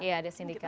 iya ada sindikat